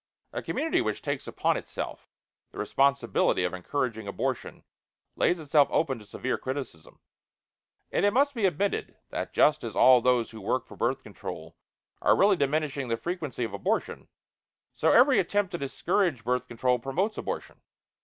A community which takes upon itself the responsibility of encouraging abortion lays itself open to severe criticism. And it must be admitted that just as all those who work for Birth Control are really diminishing the frequency of abortion, so every attempt to discourage Birth Control promotes abortion.